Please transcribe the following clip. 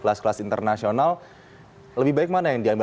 kelas kelas internasional lebih baik mana yang diambil